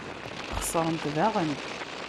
Xesrent daɣen.